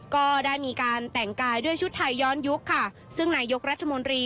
ก็ได้มีการแต่งกายด้วยชุดไทยย้อนยุคค่ะซึ่งนายยกรัฐมนตรี